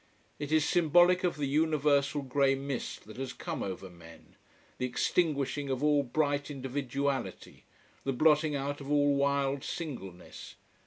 It is symbolic of the universal grey mist that has come over men, the extinguishing of all bright individuality, the blotting out of all wild singleness.